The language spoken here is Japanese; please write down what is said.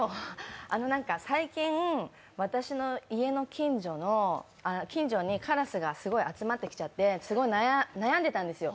最近、私の家の近所にカラスがすごい集まってきちゃって、すごい悩んでたんですよ。